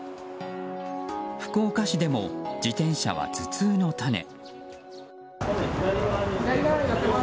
福岡市でも自転車は頭痛のタネ。